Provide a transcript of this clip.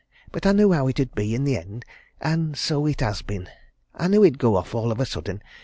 But I knew how it 'ud be in the end and so it has been I knew he'd go off all of a sudden.